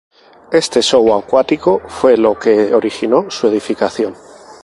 Este show acuático fue lo que originó su edificación.